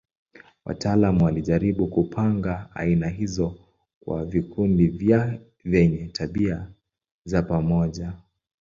Wataalamu walijaribu kupanga aina hizo kwa vikundi vyenye tabia za pamoja.